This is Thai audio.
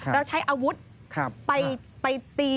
แล้วใช้อาวุธไปตี